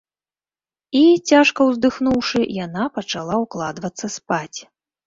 - I, цяжка ўздыхнуўшы, яна пачала ўкладвацца спаць.